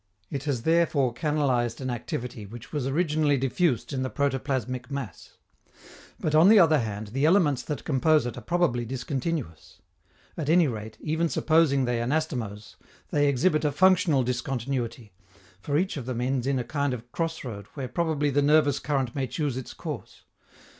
It has therefore canalized an activity which was originally diffused in the protoplasmic mass. But, on the other hand, the elements that compose it are probably discontinuous; at any rate, even supposing they anastomose, they exhibit a functional discontinuity, for each of them ends in a kind of cross road where probably the nervous current may choose its course.